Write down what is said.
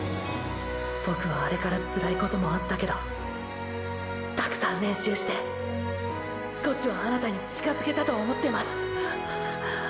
ボクはあれからつらいこともあったけどたくさん練習して少しはあなたに近づけたと思ってます！！